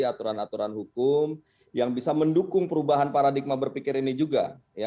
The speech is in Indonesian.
aturan aturan hukum yang bisa mendukung perubahan paradigma berpikir ini juga